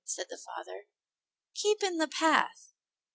said the father. "Keep in the path."